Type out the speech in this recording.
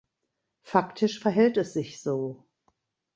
Faktisch verhält es sich so.